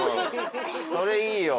それいいよ。